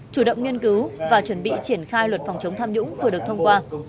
chủ động nghiên cứu và chuẩn bị triển khai luật phòng chống tham nhũng vừa được thông qua